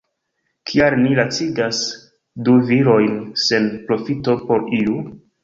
Kial ni lacigas du virojn sen profito por iu?